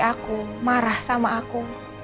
aku marah sama aku